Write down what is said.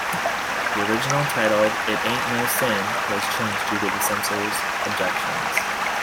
The original titled, "It Ain't No Sin", was changed due to the censors' objections.